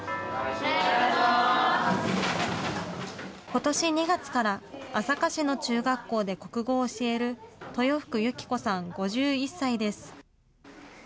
ことし２月から、朝霞市の中学校で国語を教える豊福由紀子さん５１歳です。